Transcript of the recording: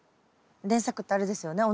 連作ってあれですよね？